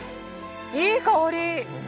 いい香り。